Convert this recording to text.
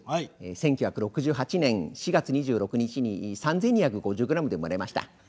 １９６８年４月２６日に３，２５０グラムで生まれました。